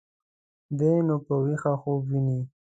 دى نو په ويښه خوب ويني.